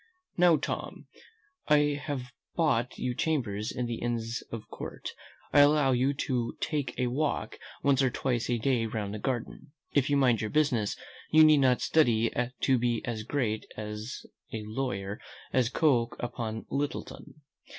"Now, Tom, I have bought you chambers in the inns of court. I allow you to take a walk once or twice a day round the garden. If you mind your business, you need not study to be as great a lawyer as Coke upon Littleton.